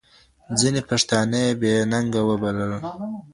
ځيني پښتانه یې بې ننګه وبلل